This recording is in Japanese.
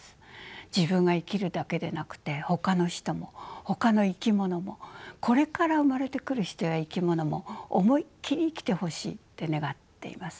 自分が生きるだけでなくてほかの人もほかの生き物もこれから生まれてくる人や生き物も思いっきり生きてほしいって願っています。